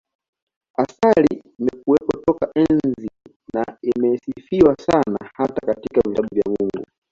Asali imekuwepo toka enzi na imesifiwa sana hata katika vitabu vya Mungu